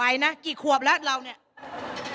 ไหวนะกี่ขวบละเราเนี่ย